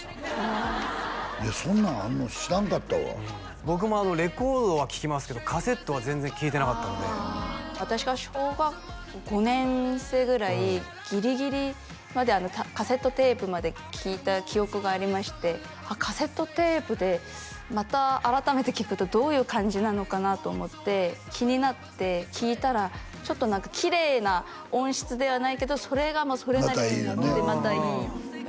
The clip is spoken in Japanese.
あそんなんあるの知らんかったわ僕もレコードは聴きますけどカセットは全然聴いてなかったので私が小学校５年生ぐらいギリギリまでカセットテープまで聴いた記憶がありましてカセットテープでまた改めて聴くとどういう感じなのかなと思って気になって聴いたらちょっと何かきれいな音質ではないけどそれがそれなりにまたいいまたいいよね